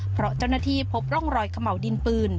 เพราะเจ้าหน้าที่พบร่องรอยเขม่าวดินปืน